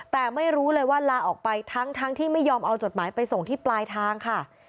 แต่ไม่รู้เลยว่าลาออกไปทั้งที่ไม่ยอมเอาจดหมายไปส่งที่ปลายทางค่ะ